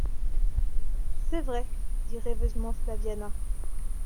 «C'est vrai …» dit rêveusement Flaviana.